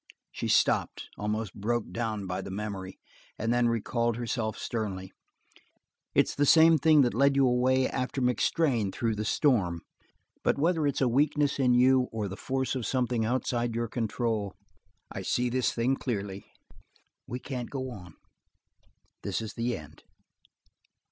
She stopped, almost broken down by the memory, and then recalled herself sternly. "It's the same thing that led you away after MacStrann through the storm. But whether it's a weakness in you, or the force of something outside your control, I see this thing clearly; we can't go on. This is the end."